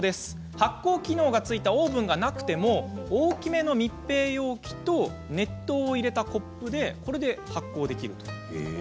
発酵機能がついたオーブンがなくても大きめの密閉容器と熱湯を入れたコップでＯＫ。